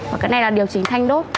và cái này là điều chỉnh thanh đốt